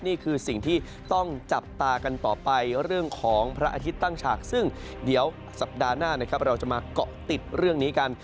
นี่คือสิ่งที่ต้องจับตากันต่อไปเรื่องของพระอาทิตย์ตั้งฉากซึ่งเดี๋ยวสัปดาห์หน้านะครับเราจะมาเกาะติดเรื่องนี้กัน